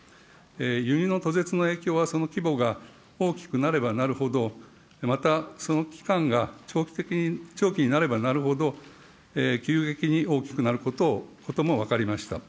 輸入の途絶の影響はその規模が大きくなればなるほど、また、その期間が長期になればなるほど、急激に大きくなることも分かりました。